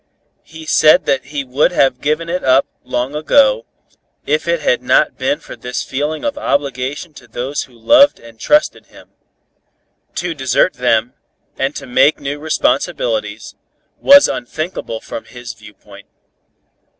He said that he would have given it up long ago, if it had not been for this feeling of obligation to those who loved and trusted him. To desert them, and to make new responsibilities, was unthinkable from his viewpoint.